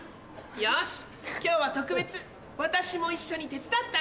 よし今日は特別私も一緒に手伝ってあげる。